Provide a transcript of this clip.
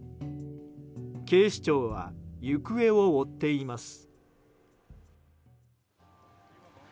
警視庁は行方を追っています。